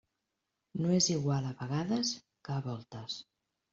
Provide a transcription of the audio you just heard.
No és igual a vegades que a voltes.